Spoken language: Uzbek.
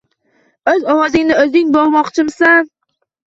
Oʻz ovozingni oʻzing boʻgʻmoqchimisan?